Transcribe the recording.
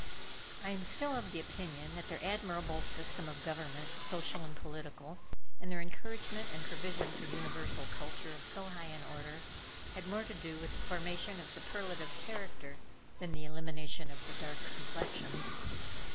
I am still of the opinion that their admirable system of government, social and political, and their encouragement and provision for universal culture of so high an order, had more to do with the formation of superlative character than the elimination of the dark complexion.